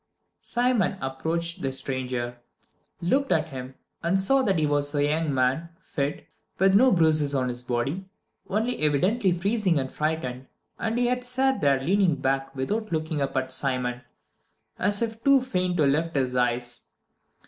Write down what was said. II Simon approached the stranger, looked at him, and saw that he was a young man, fit, with no bruises on his body, only evidently freezing and frightened, and he sat there leaning back without looking up at Simon, as if too faint to lift his eyes.